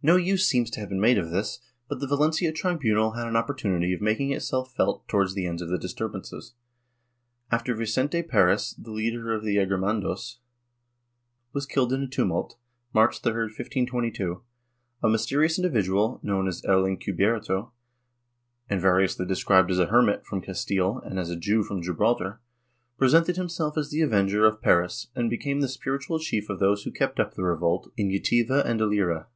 No use seems to have been made of this, but the Valencia tribunal had an opportunity of making itself felt towards the end of the disturbances. After Vicente Peris, the leader of the Ager manados was killed in a tumult, March 3, 1522, a mysterious individual, known as el Encvbierto, and variously described as a hermit from Castile and as a Jew from Gibraltar, presented him self as the avenger of Peris and became the spiritual chief of those who kept up the revolt in Jativa and Alcira.